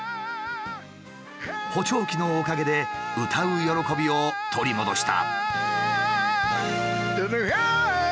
補聴器のおかげで歌う喜びを取り戻した。